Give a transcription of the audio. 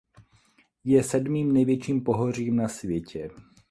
Je sedmým nejvyšším pohořím na světě.